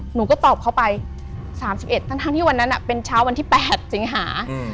หนูก็ตอบเขาไป๓๑ทั้งที่วันนั้นเป็นเช้าวันที่๘สิงหา